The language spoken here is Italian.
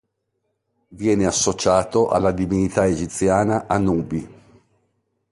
Viene associato alla divinità egiziana Anubi.